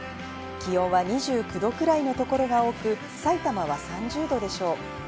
気温は２９度くらいの所が多く埼玉は３０度でしょう。